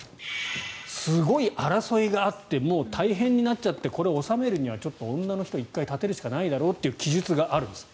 すごい争いがあって大変になっちゃってこれを収めるにはちょっと女の人を１回立てるしかという記述があるんです。